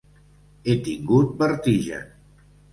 He tingut vertigen.